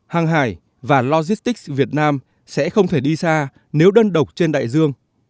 hàng hải và logistics việt nam sẽ không thể đi xa nếu đơn độc trên đại dương